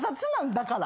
だから。